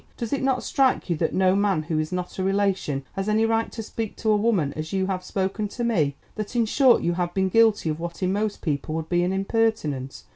Does it not strike you that no man who is not a relation has any right to speak to a woman as you have spoken to me?—that, in short, you have been guilty of what in most people would be an impertinence?